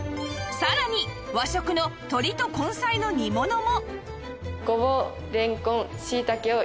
さらに和食の鶏と根菜の煮物も